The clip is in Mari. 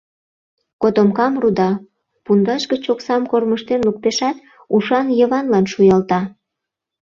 Котомкам руда, пундаш гыч оксам кормыжтен луктешат, ушан Йыванлан шуялта.